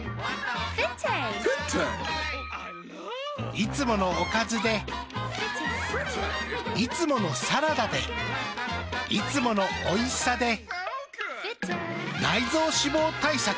いつものおかずでいつものサラダでいつものおいしさで内臓脂肪対策。